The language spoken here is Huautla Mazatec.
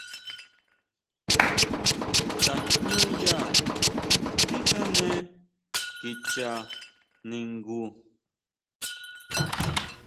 Tajñúya tijane kicha ningu.